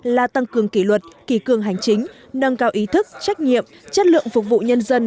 là tăng cường kỷ luật kỳ cường hành chính nâng cao ý thức trách nhiệm chất lượng phục vụ nhân dân